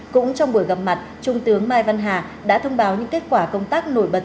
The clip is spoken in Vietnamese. cũng trong buổi gặp mặt trung tướng mai văn hà đã thông báo những kết quả công tác nổi bật